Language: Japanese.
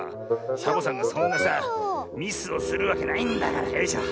サボさんがそんなさミスをするわけないんだからよいしょ。